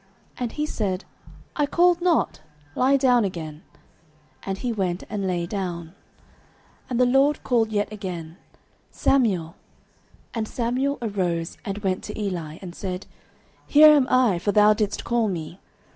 And he said, I called not; lie down again. And he went and lay down. 09:003:006 And the LORD called yet again, Samuel. And Samuel arose and went to Eli, and said, Here am I; for thou didst call me.